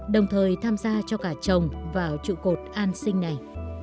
đồng thời tham gia cho cả chồng vào trụ cột an sinh này